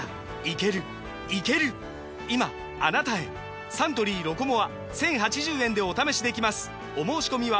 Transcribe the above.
今あなたへサントリー「ロコモア」１，０８０円でお試しできますお申込みは